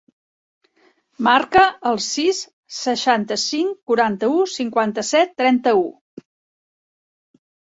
Marca el sis, seixanta-cinc, quaranta-u, cinquanta-set, trenta-u.